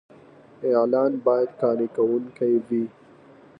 اعلان باید قانع کوونکی وي.